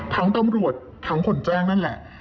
ตำรวจทั้งคนแจ้งนั่นแหละ